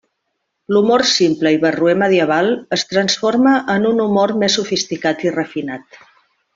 L'humor simple i barroer medieval es transforma en un humor més sofisticat i refinat.